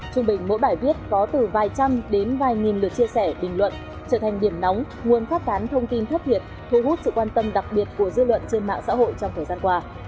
trung bình mỗi bài viết có từ vài trăm đến vài nghìn lượt chia sẻ bình luận trở thành điểm nóng nguồn phát tán thông tin thất thiệt thu hút sự quan tâm đặc biệt của dư luận trên mạng xã hội trong thời gian qua